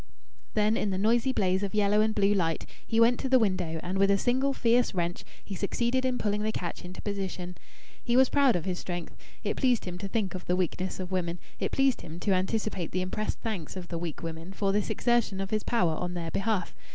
Then in the noisy blaze of yellow and blue light he went to the window and with a single fierce wrench he succeeded in pulling the catch into position. He was proud of his strength. It pleased him to think of the weakness of women; it pleased him to anticipate the impressed thanks of the weak women for this exertion of his power on their behalf.